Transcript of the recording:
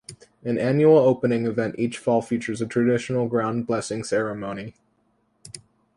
An annual opening event each fall features a traditional ground blessing ceremony.